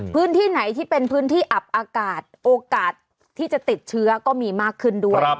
พื้นที่ไหนที่เป็นพื้นที่อับอากาศโอกาสที่จะติดเชื้อก็มีมากขึ้นด้วย